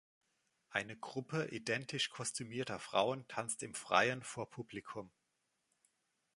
Eine Gruppe identisch kostümierter Frauen tanzt im Freien vor Publikum.